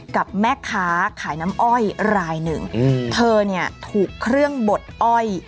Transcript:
กับแม่ค้าขายน้ำอ้อยรายหนึ่งเธอเนี่ยถูกเครื่องบดอ้อย